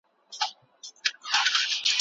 ژوند څنګه تېر كړم ؟